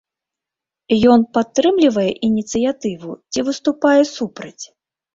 Ён падтрымлівае ініцыятыву ці выступае супраць?